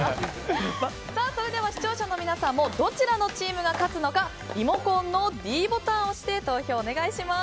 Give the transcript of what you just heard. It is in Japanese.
それでは視聴者の皆さんもどちらのチームが勝つのかリモコンのｄボタンを押して投票をお願いします。